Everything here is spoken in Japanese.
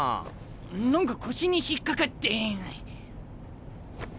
何か腰に引っ掛かって。